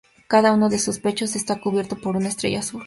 Cada uno de sus pechos está cubierto por una estrella azul.